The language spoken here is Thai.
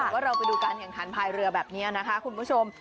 ว่าเราไปดูการแข่งขันภายเรือแบบนี้นะคะคุณผู้ชม